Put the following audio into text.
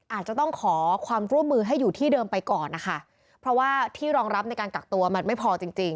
อาจจะต้องขอความร่วมมือให้อยู่ที่เดิมไปก่อนนะคะเพราะว่าที่รองรับในการกักตัวมันไม่พอจริงจริง